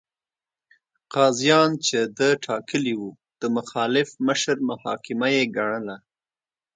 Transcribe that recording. قاضیان چې ده ټاکلي وو، د مخالف مشر محاکمه یې ګڼله.